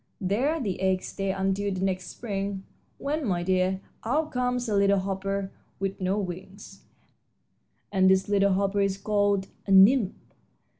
There the eggs stay until next spring, when, my dear, out comes a little hopper with no wings, and this little hopper is called a nymph.